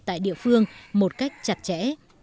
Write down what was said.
tại địa phương một cách chặt chẽ